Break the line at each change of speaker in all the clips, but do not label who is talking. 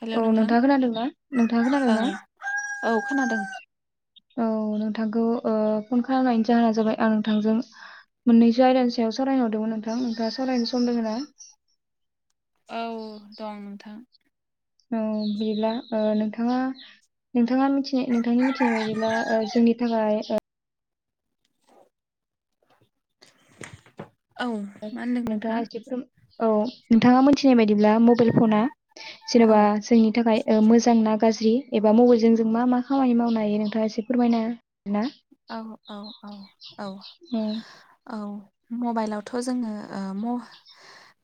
Hello
औ
नोंथां
नोंथाङा खोनादोंना नोंथाङा खोनादों ना?
ओं औ खोनादों।
औ नोंथांखौ ओ फन खालामनायनि जाहोना जाबाय आं नोंथांजों मोननैसो आयदानि सायाव सावरायनो हरदोंमोन नोंथां नोंथाङा सरायनो सम दोङो ना?
औ दं नोंथां।
औ बिदिब्ला ओ नोंथाङा नोंथाङा मिथिनाय नोंथांनि मिथिनाय बायदिब्ला ओ जोंनि थाखाय
औ मा होनदों
नोंथाङा एसे फोर औ नोंथाङा मोनथिनाय बायदिब्ला मबाइल फना
औ
जेने'बा जोंनि थाखाय ओ मोजांना गाज्रि एबा मबाइलजों जों मा मा खामानि मावनो हायो नोंथाङा एसे फोरमायना ना
औ औ औ औ
औ
औ मबाइलावथ' जोङो ओ म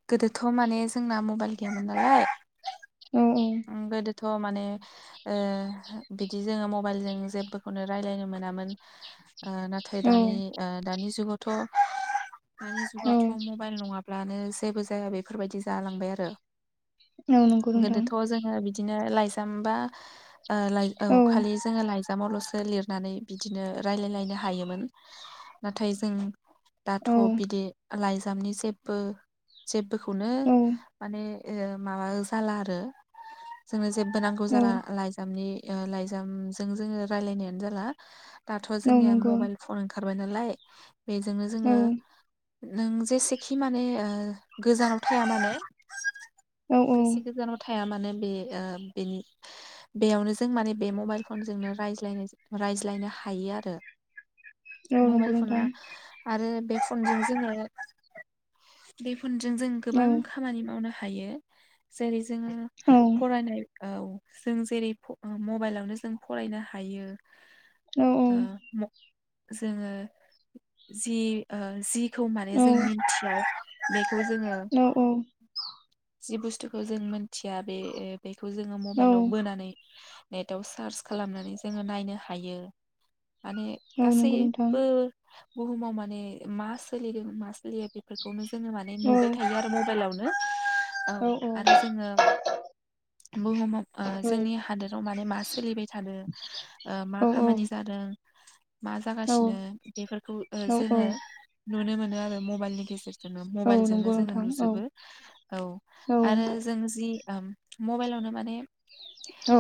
गोदोथ' माने जोंना मबाइल गैयामोन नालाय।
औ
ओ गोदो थ' माने ओ बिदि जोङो मबाइलजों जेबोखौनो रायलायनो मोनामोन। ओ नाथाय
औ
दानि ओ दानि जुगावथ' दानि
औ
जुगावथ' मबाइल नङाब्ला ब्लानो जेबो जाया बेफोरबायदि जालांबाय आरो।
औ नंगौ नोंथां।
गोदोथ' जोङो बिदिनो लाइजाम बा ओ औ खालि जोङो लाइजाम लाइजामावल'सो लिरनानै बिदिनो रायलायलायनो हायोमोन नाथाय जों। दाथ'
औ
बिदि लाइजामनि जेबो जेबो बखौनो
औ
माने ओ माबा जाला आरो जो जेबो नांगौ
औ
जाला लाइजामनि ओ लाइजामजों जोङो रायलायनायानो जाला दाथ'
औ
जोंनिया
नंगौ
मबाइल फन ओंखारबाय नालाय। बेजोंनो
औ
जोङो नों जेसेखि माने ओ गोजानाव थाया मानो
औ औ
बेसे गोजानाव था हाया मानो बे ओ बिनि बेयावनो जों माने बे मबाइल फनजोंनो रायज्लाय रायज्लायनो हायो आरो।
नंगौ
मबाइल फना
नोंथां
आरो बे फनजों जोङो बे फुनजों जों गोबां
औ
खामानि मावनो हायो जेरै जोङो
औ
फरायनाय औ जों जेरै फ मबाइलावनो जों फरायनो हायो।
औ औ।
ओ जोङो जि ओ जिखौ माने
औ
जों मिथिया बे खौ जोङो
औ
जि बुस्थुखौ जों मिनथिया बे बेखौ जोङो
औ
मबाइलाव बोनानै नेटाव सार्च खालामनानै जोङो नायनो हायो। माने
औ नंगौ नोंथां
गासैबो बुहुमाव माने मा सोलिदों मा फैयो बेफोरखौनो जोङो माने
औ
नुबाय थायो आरो मबाइलावनो
औ
ओं
औ
आरो जोङो।
[unintelligible]
बुहुमाव ओ जोंनि हादोराव माने मा सोलिबाय थादों मा
औ
खामानि जादों मा
औ
जागासिनो बेफोरखौ ओ
औ नंगौ नोंथां औ औ
जोङो नुनो मोनो आरो मबाइलनि गेजेरजों। जोङो
औ
मबाइलजोंनो
नंगौ औ नंगौ औ
जोङो नुजोबो औ आरो जों जि ओम मबाइलावनो माने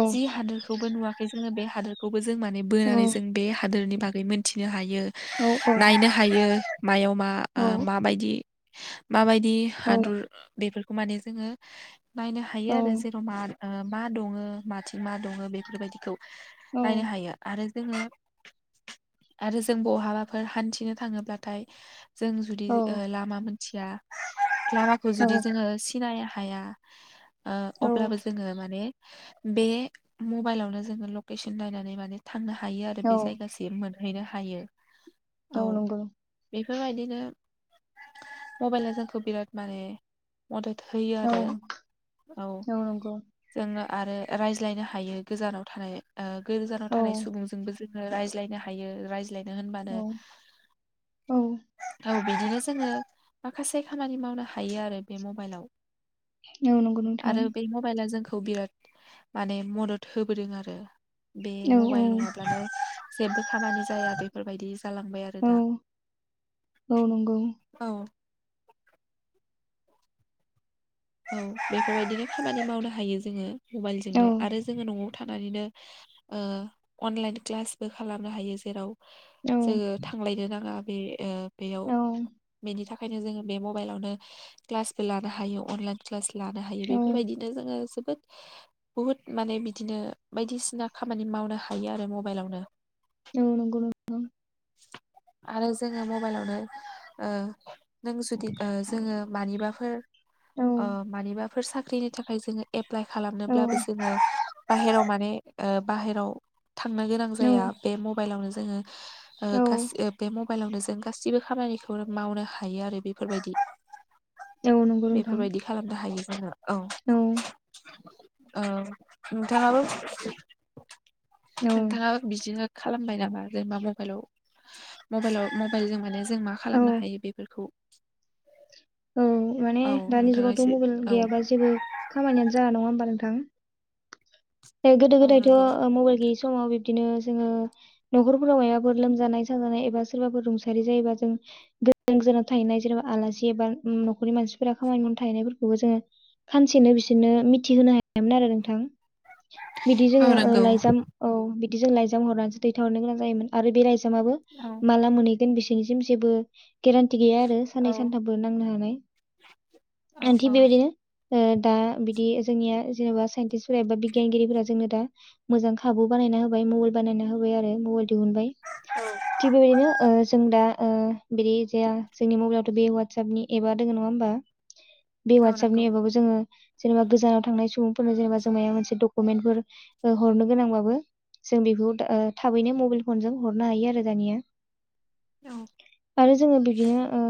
जि हादोरखौबो नुवाखै जोङो बे हादोरखौ बो जों माने बोनानै जों बे हादोरनि बागै मोनथिनो हायो नायनो हायो। मायाव मा आ माबायदि माबायदि हादर बेफोरखौ माने जोङो नायनो हायो आरो जेराव मा ओ मा दङ माथिं मा दङ बेफोरबायदिखौ
औ औ
नायनो हायो आरो जोङो आरो जों बहाबाफोर हान्थिनो थाङोब्लाथाय जों जुदि ओ
नंगौ
लामा मोनथिया लामाखौ जुदि जोङो सिनाय हाया ओ अब्लाबो जोङो माने बे मबाइलावनो जोङो लकेसन नायनानै माने थांनो हायो आरो बे जायगासिम मोन हैनो हायो।
औ नंगौ।
बेफोरबायदिनो मबाइला जोंखौ बिराद माने मदद होयो आरो।
औ नंगौ।
जोङो आरो रायज्लायनो हायो गोजानाव थानाय ओ गोजानाव थानाय सुबुंजोंबो जों रायज्लायनो हायो रायज्लायनो होनबानो औ। बिदिनो जोङो माखासे खामानि मावनो हायो आरो बे मबाइलाव। आरो बे मबाइला जोंखो खौ बिराद माने मदद होबोदों आरो बे
औ
मबाइल नङाब्लानो जेबो खामानि जाया बेफोरबायदि जालांबाय आरो
औ
दा
औ औ नंगौ
औ। औ बेफोरबायदिनो खामानि मावनो हायो जोङो
औ
मबाइलजोंनो आरो जोङो न'आव था नानैनो ओ अनलाइन क्लासबो खालामनो हायो जेराव
औ
जोङो थांलायनो नाङा बे ओ बेयाव
औ
बेनि थाख ओंखायनो जोङो बे मबाइलावनो क्लासबो लानो हायो अनलाइन क्लास लानो हायो
औ
बेफोरबायदिनो जोङो बोद बुहुद माने बिदिनो बायदिसिना खामानि मावनो हायो आरो मबाइलावनो।
औ नंगौ [unintelligible]
आरो जोङो मबाइलावनो ओ नों जुदि ओ जोङो मानिबाफोर
औ
ओ मानिबाफोर साख्रिनि थाखाय जोङो एप्लाइ
औ
खालामनोब्लाबो जोङो बाहेरायाव माने ओ बाहेराव थांनो गोनां
औ
जाया बे मबाइलावनो जोङो ओ
औ
[unintelligible] म बाइलावनो जों गासिबो खामानिखौ मावनो हायो आरो बेफोरबायदि
औ नंगौ नों
बेफोरबायदि खालामनो हायो जोङो।
औ
औ नोंथाङाबो
औ
नोंथाङाबो बिदिनो खालामबाय नामा जेनेबा मबाइलाव मबाइलाव मबाइल जों माने जों मा
औ
खालामनो हायो बेफोरखौ
औ माने
औ
दानि
नोंथाङा
जुगावथ'
एसे
मबाइल
औ
गैयाबा जेबो खामानियानो जाया नङा होमबा नोंथा थां गोदो
औ
गोदायथ' ओ
नंगौ
मबाइल गैयि स समाव बिब्दिनो जोङो न'खरफोराव माबाफोर लोमजानाय साजानाय एबा सोरबाफोर रुंसारि जायोबा जों गो-गोजोनाव थाहैनाय जेनेबा आलासि एबा न'खरनि मानसिफोरा खामानि मावनो थाहैनायफोरखौबो जोङो सानसेनो बिसोरनो मिथिहोनो हायामोन आरो नोंथां बिदि जोङो
औ
ओ
नंगौ
लाइजाम औ बिद दि जों लाइजाम हरनानैसो दैथार हरनो गोनां जायोमोन आरो बे लाइजामाबो
औ
माला मोनै गोन बिसनिसिम जेबो गेरेथि गैया आरो साननै
औ
सानथामबो नांनो हा नाय। आं
औ
थिग बेबायदिनो ओ दा बिदि जोंनिया जेनेबा साइन्टिस्टफोरा एबा बिगियानगिरिफोरा जोंनो दा मोजां खाबु बानाय ना‌ होबाय मबेल बानायना होबाय आरो मबेल दिहुनबाय। थिख बेबायदिनो ओ जों दा ओ बिदि जाया जोंनि मबाइलथ' बे वाटसापनि एबा दङ नङा होमबा बे
औ
वाटसापनि
नंगौ
एपावबो जोङो जेनेबा गोजानाव थांनाय सम फोरनो जेनेबा जों माया मोनसे डकुमेन्टफोर ओ हरनो गोनांबाबो जों बेखौ दा ओ थाबैनो मबाइल फनजों हरनो हायो आरो दानिया
औ
आरो जोङो बिदिनो ओ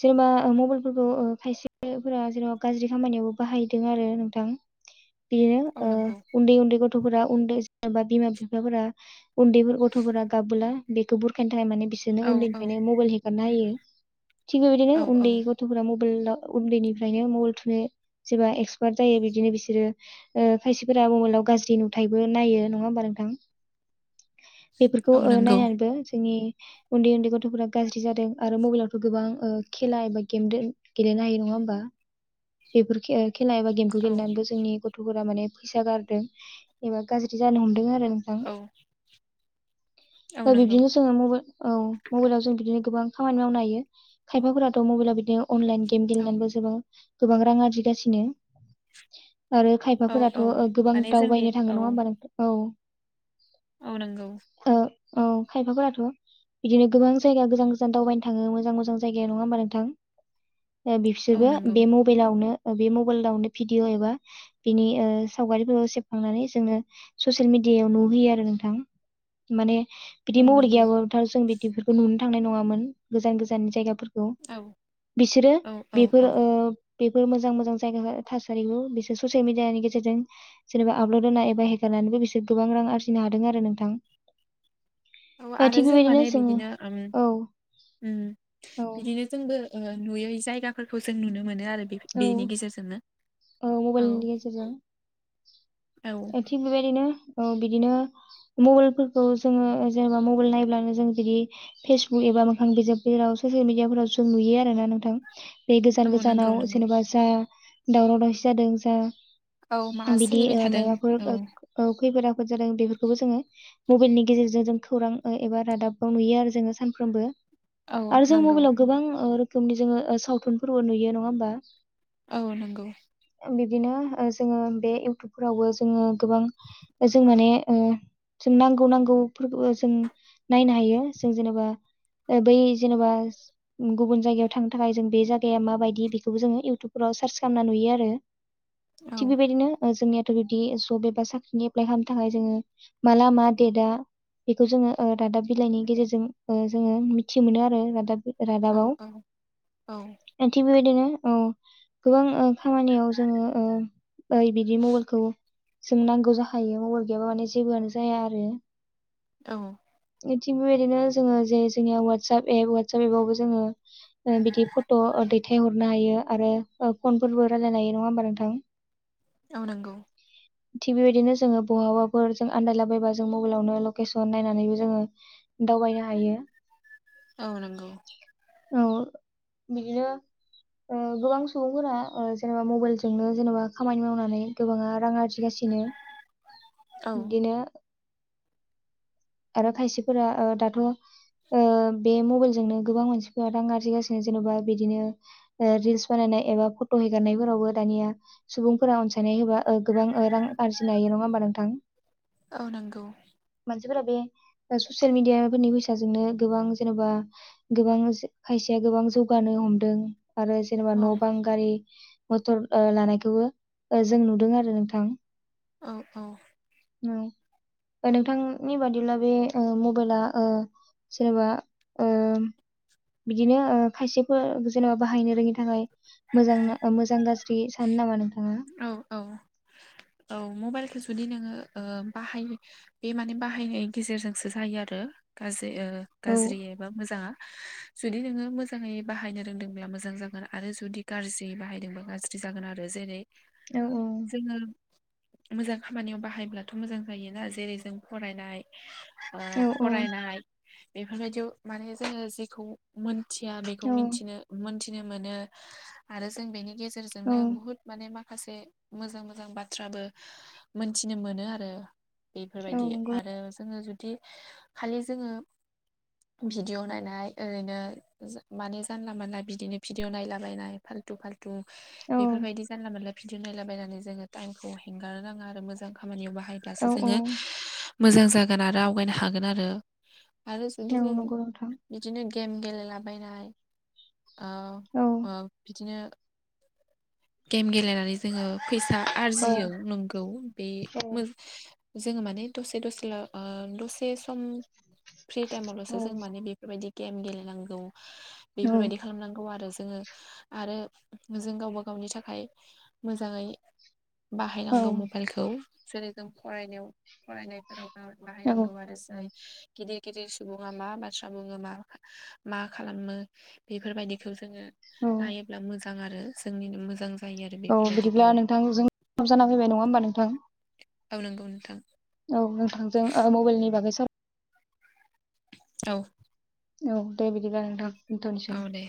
जेनेबा मबाइलफोरखौ खायसेफोरा जेनेबा गाज्रि खामानियावबो बाहायदों आरो नोंथां बिदिनो
औ
ओ
नंगौ
उन्दै उन्दै गथ'फोरा उन्दै जेनेबा बिमा बिफाफोरा उन्दैफोर गथ'फोरा गाबबोला बेखौ बुरखायनो थाखाय माने बिसोरनो
औ औ
उन्दैनिफ्रायनो मबाइल हे गारना हायो। थिग बेबायदिनो
औ औ
उन्दै गथ'फोरा मबाइल उन्दैनिफ्रायनो मबाइल थुनो जेबा एक्सपार्ट जायो बिदिनो बिसोरो ओ खायसेफोरा मबाइलाव गाज्रि नुथायबो नायो नङा होमबा नोंथां बेफोरखौ
औ
ओ
नंगौ
नायनानैबो जोंनि उन्दै उन्दै गथ'फोरा गाज्रि जादों आरो मबाइलावथ' गोबां ओ खेला एबा गेम गेलेनो हायो नङा होमबा बेफोर खेल खेला एबा गेमखौ
औ
गेलेनानैबो जोंनि गथ'फोरा माने फैसा गारदों एबा गाज्रि जानो हमदों आरो। नोंथां
औ औ
ओ
नंगौ
बिब्दिनो जोङो मबाइल औ मबाइलाव जों बिदिनो गोबां खामानि मावनो हायो खायफाफोराथ' मबाइलाव बिदिनो अनलाइन गेम
औ
गेलेनानैबो जोङो गोबां रां आरजिगासिनो आरो
औ
खायफाफोराथ'
औ
ओ गोबां
माने जों बे
दावबायनो
औ
थाङो नङा होमबा नोंथ औ
औ नंगौ
ओ औ खायफाफोराथ' बिदिनो गोबां जायगा गोजान गोजान दावबायनो थाङो मोजां मोजां जायगायाव नङा होमबा नोंथां ओ
औ
बिसोरबो
नंगौ
बे मबाइलावनो ओ बे मबाइलावनो भिडिअ' एबा बिनि ओ सावगारिफोरखौ सेबखांनानै जोङो ससियेल मिड डियायाव नुहोयो आरो नोंथां माने बिदि
औ
महर
नंगौ
गैयाबाबोथ' जों बिदिफोरखौ नुनो थांनाय नङामोन गोजान गोजान जायगा फोरखौ
औ
बिसोरो
औ औ
बेफोर
औ
ओ बेफोर मोजां मोजां जायगा थासारिखौ बिसोर ससियेल मिडियानि गेजेरजों जेनेबा आपलड होना एबा हेगार नानैबो बिसोर गोबां रां आरजिनो हादों आरो नोंथां।
औ आरो
थिग
जों
बेबायदिनो
माने
जोङो
बिदिनो उम
औ
उम
औ
बिदिनो जोंबो ओ नुयै जायगाफोरखौ जों नुनो मोनो आरो। बे
औ
बेनि गेजेरजोंनो
औ मबाइलनि
औ
गेजेरजों थिग बेबायदिनो औ बिदिनो मबाइलफोरखौ जोङो जेनेबा मबाइल नायब्लानो जों बिदि बा मोखां बिजाब जेराव ससियेल मिडियाफोराव जों नुयो आरो ना नोंथां। बे
औ
गोजान
नंगौ
गोजानाव
नंगौ
जेनेबा जा दावराव दावसि जादों जा
औ मा
बिदि
सोलिबाय
ओ
थादों
मायबाफोर
औ
खैफोद जादों बेफोरखौबो जोङो मबाइलनि गेजेरजों जों खौरां एबा रादाबाव नुयो आरो जोङो सानफ्रोमबो।
औ
आरो जों
नंगौ
मबाइलाव गोबां ओ रोखोमनि जोङो ओ सावथुनफोरबो नुयो नङा होमबा?
औ नंगौ।
बिब्दिनो ओ जोङो बे इउटुबफोरावबो जोङो गोबां जों माने ओ जों नांगौ नांगौफोरखौबो जों नायनो हायो जों जेनेबा ओ बै जेन'बा गुबुन जायगायाव थांनो थाखाय जों बे जागाया माबायदि बे खौबो जों इउटुबफोराव सार्स खालामना नुयो आरो
औ
थिक बेबायदिनो ओ जोंनि थ' बिब्दि जब एबा साख्रिनि एप्लाइ खालामनो थाखाय जोङो माला मा देइटआ बेखौ जोङो ओ दादाब बिलाइनि गेजेरजों ओ जोङो मिथि मोनो आरो रादाब
औ
रादाबाव
औ औ
ओ थिक बेबायदिनो ओ गोबां ओ खामानियाव जोङो ओ-ओ बिदि मबाइलखौ जों नांगौ जाखायो मबाइल गैयाब्ला माने जेबोआनो जाया आरो।
औ।
ओ थिक बेबायदिनो जोङो जे जोंनिया वाट्सप एप वाट्सएप एप आवबो जोङो‌ ओ बिदि फट' ओ दैथाय हरनो हायो। आरो ओ फनफोरबो रायलायनो हायो नङा होनबा नोंथां।
ओ नोंगौ।
थिग बेबायदिनो जोङो बहाबाफोर जों आनन्दायलाबायबा जों मबाइलावनो लकेसन नायनानैबो जोङो दावबायनो हायो।
औ नोंगौ।
औ बिदिनो ओ गोबां सुबुंफोरा ओ जेनेबा मबाइलजोंनो जेनेबा खामानि मावनानै गोबाङा रां आरजि गासिनो
औ
बिदिनो आरो खायसेफोरा ओ दाथ' ओ बे मबाइलजोंनो गोबां मानसिफोरा रां आरजिगासिनो जेन'बा बिदिनो ओ रिल्स बानायनाय एबा फट' हेगारनायफोरावबो दानिया सुबुंफोरा अनसायनाय होबा ओ गोबां ओ रां आरजिनो हायो नङा होमबा नोंथां?
औ नंगौ
मानसि सिफोरा बे ससियेल मिडिया फोरनि फैसाजोंनो गोबां जेन'बा गोबां हो खायसे गोबां जौगानो हमदों आरो जेनेबा
औ
न' बां गारि मथर ओ लानायखौबो ओ जों नुदों आरो नोंथां।
औ औ।
औ ओ नोंथांनि बादिब्ला बे ओ मबाइला ओ जेनेबा ओम बिदिनो ओ खायसेफोर जेनेबा बाहायनो रोङिनि थाखाय मोजांना ओ मोजां गाज्रि सानो नामा नोंथां?
औ औ औ मबाइलखौ जुदि नोङो ओ बाहायो बे माने बाहायनायनि गेजेरजोंसो जायो आरो गाज्रि ओ
औ
गाज्रि एबा मोजाङा।
[inaudible]
जुदि नोङो मोजाङै बाहायनो रोंदोंब्ला मोजां जागोन आरो जुदि गारजि बाहायदोंब्ला गाज्रि जागोन आरो जेरै
औ औ।
जोङो मोजां खामानियाव बाहायब्लाथ' मोजां जायोना जेरै जों फरायनाय ओ
औ
फरायनाय बेफोरबायदियाव माने जोङो जिखौ मोन मिथिया बेखौ
औ
मोनथिनो मोनथिनो मोनो आरो जों बेनि
औ
गेजेरजोंनो बुहुत माने माखा माखासे मोजां मोजां बाथ्राबो मोनथिनो मोनो आरो।
औ
बेफोरबायदि
नंगौ
आरो जोङो जुदि खालि जोङो भिडिअ नायनाय ओरैनो जो माने जानला मानला बिदिनो भिडिअ नायलाबायनाय फाल्थु फाल्थु तु
औ
बेफोरबायदि जानला मोनला बिदि नायलाबायनानै जोङो टाइमखौ हेंगारनो नाङा आरो मोजां खामानियाव बाहायब्लासो
औ औ
जोङो मोजां जागोन आरो आवगायनो हागोन आरो-आरो जुदि
औ
जों
नंगौ नोंथां
बिदिनो गेम गेलेलाबायनाय ओ
औ
ओ बिदिनो गेम गेलेनानै जोङो फैसा
औ
आरजियो नोंगौ बे
औ
मो जोङो माने दसे दसेल' ओ दसे सम फ्रि टाइमावल'सो
औ
जों माने बेफोरबायदि गेम गेलेनांगौ
औ
बेफोरबायदि खालामनांगौ आरो जों जो आरो जों गावबा गावनि थाखाय मोजाङै
औ
बाहायनांगौ मबाइलखौ जेरै जों फरायनायाव फरायनायफोराव आ बाहाय रंबारस गिदिर गिदिर सुबुङा मा बाथ्रा बुङो मा मा खालामो बेफोरबायदिखौ जोङो
औ
नायोब्ला मोजां आरो जोंनिनो मोजां जायो आरो।
औ
बेफोरबायदि
बिदिब्ला
गेले
नोंथांजों [unintelligible] जाना फैबाय नङा होमबा नोंथां
औ नांगौ नोंथां
औ नोंथांजों ओ मबाइलनि बागै
औ
औ दे बिदिब्लाा नोंथां दथ'नोसै
औ दे